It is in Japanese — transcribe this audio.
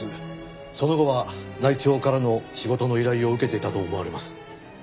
その後は内調からの仕事の依頼を受けていたと思われます。